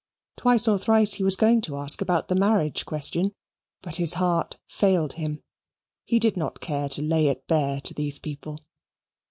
Twice or thrice he was going to ask about the marriage question, but his heart failed him. He did not care to lay it bare to these people.